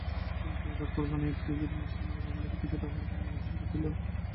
কিন্তু এবার কোরবানি ঈদকে ঘিরে মুসলিম এলাকাগুলোতে কিছুটা হলেও গোলমালের আশঙ্কা ছিল।